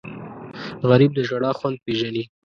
غریب د ژړا خوند پېژني